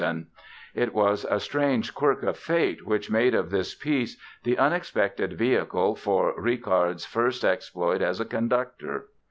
And it was a strange quirk of fate which made of this piece the unexpected vehicle for Richard's first exploit as a conductor!